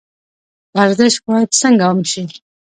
ورزش باید څنګه عام شي؟